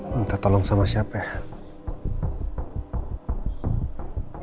minta tolong sama siapa